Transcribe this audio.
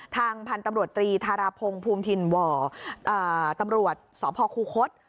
ทางพันธุ์ตำรวจตรีธารพงศ์ภูมิถิ่นหว่อตำรวจสพคูคศ